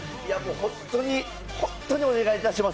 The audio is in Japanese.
本当に本当にお願いいたします。